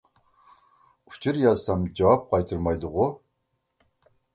ئۇچۇر يازسام جاۋاب قايتۇرمايدىغۇ.